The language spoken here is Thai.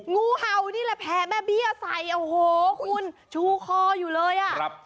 งูเห่านี่แหละแผ่แม่เบี้ยใส่โอ้โหคุณชูคออยู่เลยอ่ะ